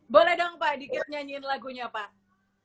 boleh dong pak dikit nyanyiin lagunya pak